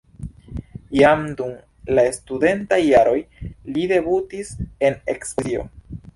Jam dum la studentaj jaroj li debutis en ekspozicio.